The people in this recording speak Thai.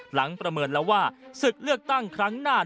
ประเมินแล้วว่าศึกเลือกตั้งครั้งหน้า